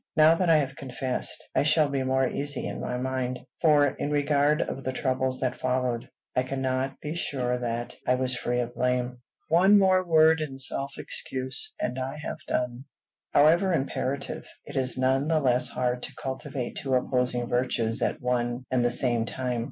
Now that I have confessed, I shall be more easy in my mind; for, in regard of the troubles that followed, I cannot be sure that I was free of blame. One word more in self excuse, and I have done: however imperative, it is none the less hard to cultivate two opposing virtues at one and the same time.